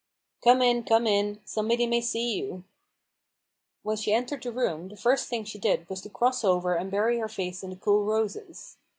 11 Come in, come in ! somebody may see you," When she entered the room, the first thing she did was to cross over and bury her face in the cool roses.